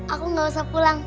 aku gak usah pulang